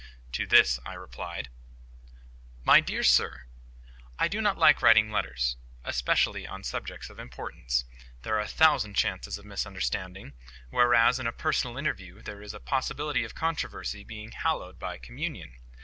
To this I replied:— "MY DEAR SIR,—I do not like writing letters, especially on subjects of importance. There are a thousand chances of misunderstanding. Whereas, in a personal interview, there is a possibility of controversy being hallowed by communion.